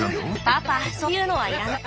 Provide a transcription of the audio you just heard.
パパそういうのはいらない。